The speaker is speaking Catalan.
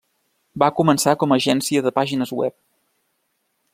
Va començar com a agència de pàgines web.